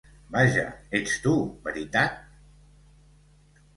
Vaja, ets tu, veritat?